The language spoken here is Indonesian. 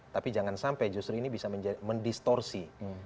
tapi jangan sampai justru ini bisa mendistorsi